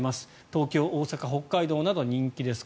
東京、大阪、北海道など人気です